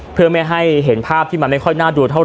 เพื่อไม่ให้เห็นภาพที่มันไม่ค่อยน่าดูเท่าไ